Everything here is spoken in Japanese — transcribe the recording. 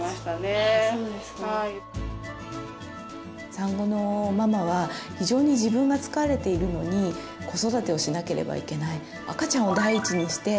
産後のママは非常に自分が疲れているのに子育てをしなければいけない。